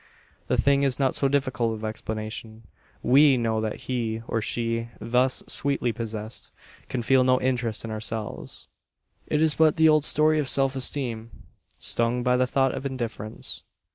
The thing is not so difficult of explanation. We know that he, or she, thus sweetly possessed, can feel no interest in ourselves. It is but the old story of self esteem, stung by the thought of indifference.